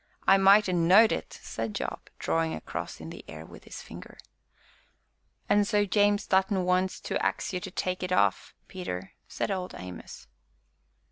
"I might ha' knowed it!" said Job, drawing a cross in the air with his finger. "An' so James Dutton wants to ax ye to tak' it off, Peter," said Old Amos.